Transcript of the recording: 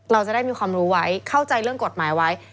เราจะได้มีความรู้ไว้เข้าใจเรื่องกฎหมายไว้